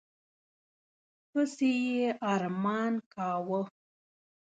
پسي یې ارمان کاوه.